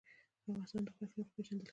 افغانستان د غوښې له مخې پېژندل کېږي.